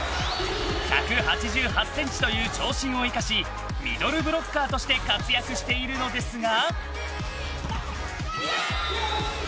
１８８ｃｍという長身を生かしミドルブロッカーとして活躍しているのですが。